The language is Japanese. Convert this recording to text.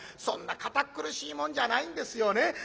そんな堅っ苦しいもんじゃないんですよね。